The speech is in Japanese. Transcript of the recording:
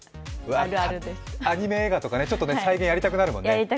アニメ映画って、再現、やりたくなるもんね。